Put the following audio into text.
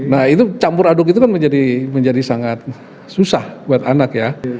nah itu campur aduk itu kan menjadi sangat susah buat anak ya